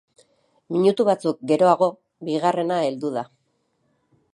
Minutu batzuk geroago, bigarrena heldu da.